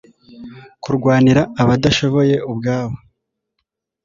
kurwanira abadashoboye ubwabo